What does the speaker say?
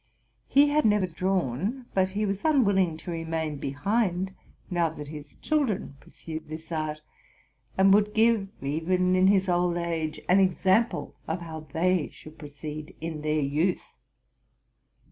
He had never drawn; but he was unwilling to re main behind, now that his children pursued this art, and would give, even in his old age, an example how they should proceed in their youth.